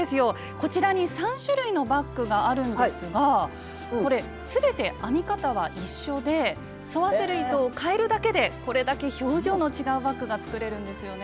こちらに３種類のバッグがあるんですがこれすべて編み方は一緒で沿わせる糸を変えるだけでこれだけ表情の違うバッグが作れるんですよね。